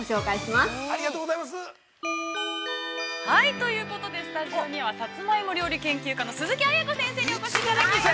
◆ということで、スタジオには、スタジオには、さつまいも料理研究家の、鈴木絢子先生にお越しいただきました。